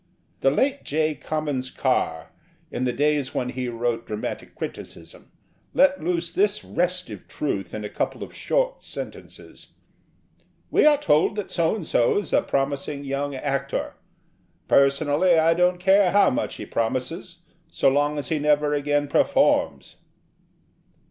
The late J. Comyns Carr, in the days when he wrote dramatic criticism, let loose this restive truth in a couple of short sentences 'We are told that So and so is a promising young actor. Personally I don't care how much he promises so long as he never again performs.'